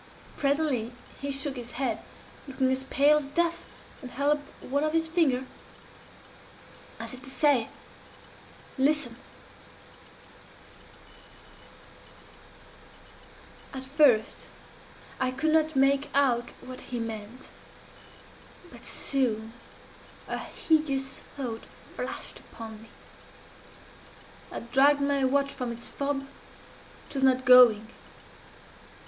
Presently he shook his head, looking as pale as death, and held up one of his fingers, as if to say listen! "At first I could not make out what he meant but soon a hideous thought flashed upon me. I dragged my watch from its fob. It was not going.